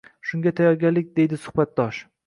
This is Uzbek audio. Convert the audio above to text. shunga tayyorgarlik, deydi suhbatdosh.